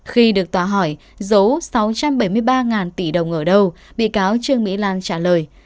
khi được tòa hỏi giấu sáu trăm bảy mươi ba tỷ đồng ở đâu bị cáo trương mỹ lan trả lời